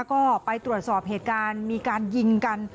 ก็ไปตรวจสอบเหตุการณ์มีการยิงกัน